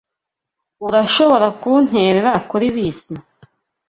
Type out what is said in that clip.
Urashobora kunterera kuri bisi?